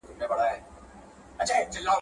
تاسو باید هره ورځ د خپلو سپین ږیرو پوښتنه وکړئ.